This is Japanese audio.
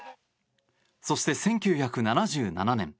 そして１９７７年。